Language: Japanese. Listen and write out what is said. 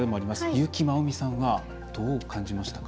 優木まおみさんはどう感じましたか？